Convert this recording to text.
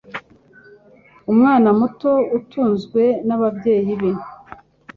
Umwana muto atunzwe n'ababyeyi be.